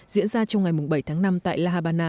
diễn ra trong ngày bảy tháng năm tại la habana